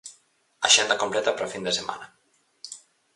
Axenda completa para a fin de semana.